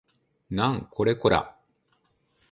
なんこれこら